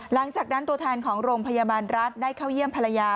หลังจากนั้นตัวแทนของโรงพยาบาลรัฐได้เข้าเยี่ยมภรรยา